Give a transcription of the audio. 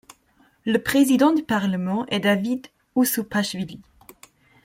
Le président du Parlement est David Oussoupachvili.